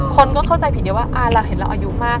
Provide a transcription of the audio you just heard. คนก็เข้าใจผิดได้ว่าเราเห็นเราอายุมาก